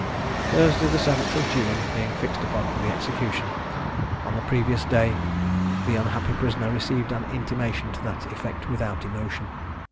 Thursday, 7th June, being fixed upon for the execution, on the previous day, the unhappy prisoner received an intimation to that effect without emotion.